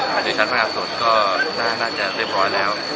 หันตรีชั้นมหาส่วนก็น่าจะเรียบร้อยแล้ว